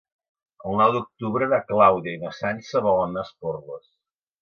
El nou d'octubre na Clàudia i na Sança volen anar a Esporles.